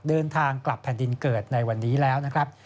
เดินทางกลับแผ่นดินเกิดในวันนี้แล้วนะครับ